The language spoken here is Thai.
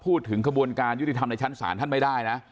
ขบวนการยุติธรรมในชั้นศาลท่านไม่ได้นะ